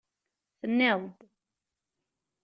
Tenniḍ-d.